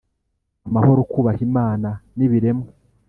amahoro kubaha Imana n ibiremwa